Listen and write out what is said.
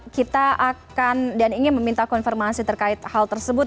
kita akan dan ingin meminta konfirmasi terkait hal tersebut